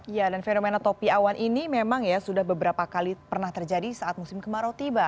ya dan fenomena topi awan ini memang ya sudah beberapa kali pernah terjadi saat musim kemarau tiba